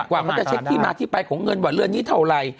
กว่าเขาจะเช็คที่มาที่ไปของเงินว่าเรือนนี้เท่าไหร่